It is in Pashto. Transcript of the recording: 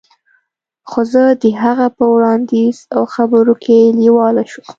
خو زه د هغه په وړاندیز او خبرو کې لیواله شوم